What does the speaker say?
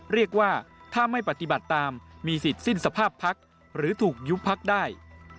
เรียกว่าถ้าไม่ปฏิบัติตามมีสิทธิ์สิ้นสภาพพักหรือถูกยุบพักได้